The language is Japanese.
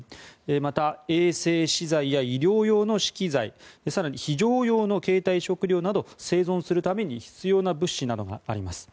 また、衛生資材や医療用の資機材更に、非常用の携帯食料など生存するために必要な物資などがあります。